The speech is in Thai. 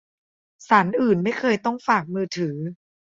ศาลอื่นไม่เคยต้องฝากมือถือ